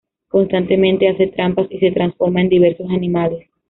Constantemente hace trampas y se transforma en diversos animales.